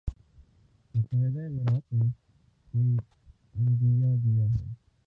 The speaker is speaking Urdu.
متحدہ امارات نے کوئی عندیہ دیا ہے۔